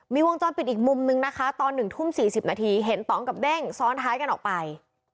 มีวงจรปิดอีกมุมนึงนะคะตอน๑ทุ่ม๔๐นาทีเห็นตองกับเด้งซ้อนท้ายกันออกไป